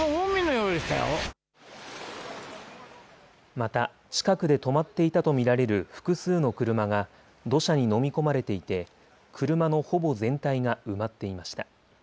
また近くで止まっていたと見られる複数の車が土砂に飲み込まれていて車のほぼ全体が埋まっていました。